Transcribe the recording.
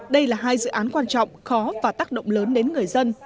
đây là hai dự án quan trọng khó và tác động lớn đến người dân